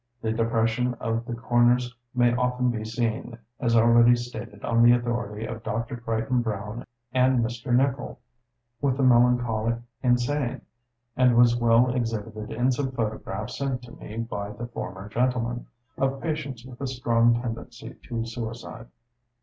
The depression of the corners may often be seen, as already stated on the authority of Dr. Crichton Browne and Mr. Nicol, with the melancholic insane, and was well exhibited in some photographs sent to me by the former gentleman, of patients with a strong tendency to suicide.